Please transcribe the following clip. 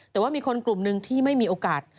แต่ว่ามีคนกลุ่มหนึ่งที่ไม่มีโอกาส